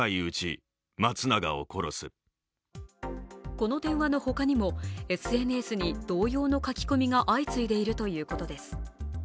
この電話の他にも、ＳＮＳに同様の書き込みが相次いでいるということです